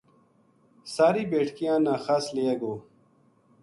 ساری بیٹکیاں نا خس لیے گو ‘‘